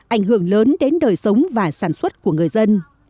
ảnh hưởng lớn đến đời sống và sản xuất của người dân